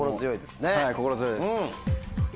はい心強いです。